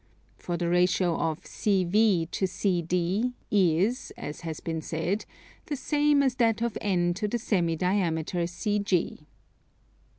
For the ratio of CV to CD is, as has been said, the same as that of N to the semi diameter CG. 33.